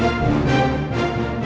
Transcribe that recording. aku akan menang